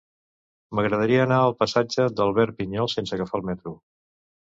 M'agradaria anar al passatge d'Albert Pinyol sense agafar el metro.